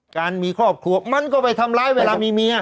การมีครอบครัวมันก็ไปทำร้ายเวลามีเมีย